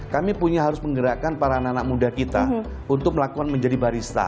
kami punya harus menggerakkan para anak anak muda kita untuk melakukan menjadi barista